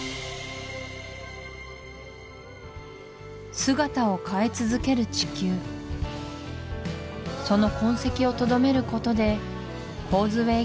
姿を変え続ける地球その痕跡をとどめることでコーズウェイ